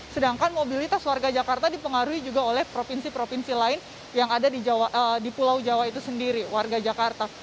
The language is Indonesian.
sedangkan mobilitas warga jakarta dipengaruhi juga oleh provinsi provinsi lain yang ada di pulau jawa itu sendiri warga jakarta